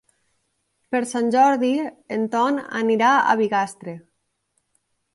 Per Sant Jordi en Ton anirà a Bigastre.